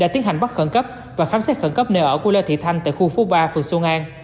đã tiến hành bắt khẩn cấp và khám xét khẩn cấp nơi ở của lê thị thanh tại khu phố ba phường xuân an